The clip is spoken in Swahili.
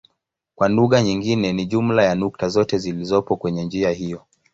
Kwa lugha nyingine ni jumla ya nukta zote zilizopo kwenye njia hiyo.